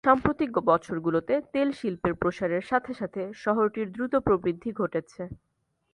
সাম্প্রতিক বছরগুলিতে তেল শিল্পের প্রসারের সাথে সাথে শহরটির দ্রুত প্রবৃদ্ধি ঘটেছে।